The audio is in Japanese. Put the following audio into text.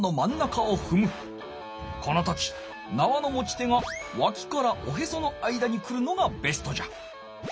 この時なわの持ち手がわきからおへその間に来るのがベストじゃ。